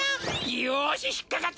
よし引っかかった！